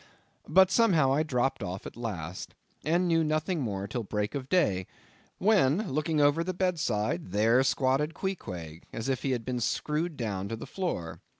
But somehow I dropped off at last, and knew nothing more till break of day; when, looking over the bedside, there squatted Queequeg, as if he had been screwed down to the floor.